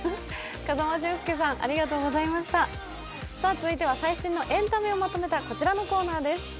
続いては最新のエンタメをまとめたこちらのコーナーです。